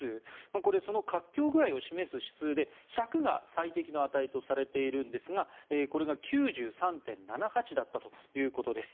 これ、その活況具合を示す指数で１００が最適の値とされているんですがこれが９３．７８だったということです。